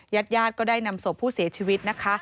ญาติญาติก็ได้นำศพผู้เสียชีวิตนะคะ